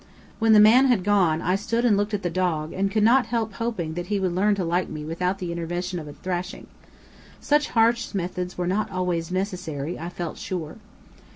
When the man had gone, I stood and looked at the dog, and could not help hoping that he would learn to like me without the intervention of a thrashing. Such harsh methods were not always necessary, I felt sure.